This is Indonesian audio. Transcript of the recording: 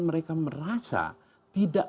mereka merasa tidak